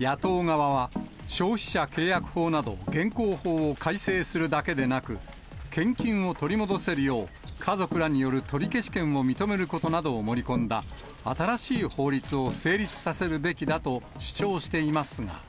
野党側は、消費者契約法など現行法を改正するだけではなく、献金を取り戻せるよう、家族らによる取消権を認めることなどを盛り込んだ、新しい法律を成立させるべきだと主張していますが。